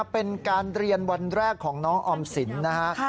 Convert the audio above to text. เป็นการเรียนวันแรกของน้องออมสินนะฮะ